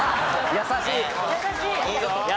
優しいよ。